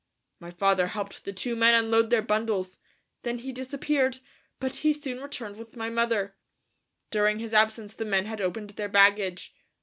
My father helped the two men unload their bundles, then he disappeared, but soon he returned with my mother. During his absence the men had opened their baggage.